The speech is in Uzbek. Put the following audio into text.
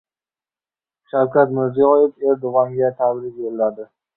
Shavkat Mirziyoyev Erdo‘g‘onga tabrik yo‘lladi